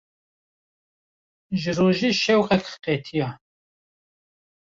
Ji rojê şewqek qetiya.